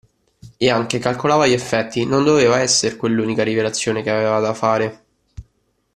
E anche calcolava gli effetti: non doveva esser quella l'unica rivelazione, che aveva da fare!